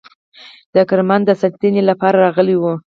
د کرمان د ساتنې لپاره راغلي وه.